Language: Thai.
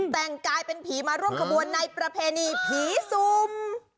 แต่งกายเป็นผีมาร่วมขบวนในประเพณีผีซุ่ม